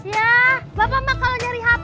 ya bapak bapak kalau nyari hape tuh lama